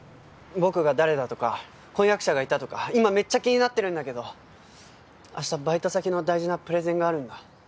僕が誰だとか婚約者がいたとか今めっちゃ気になってるんだけど明日バイト先の大事なプレゼンがあるんだ。